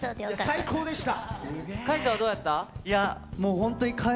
最高でした！